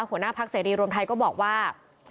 หัวหน้าพักเสรีรวมไทยก็บอกว่า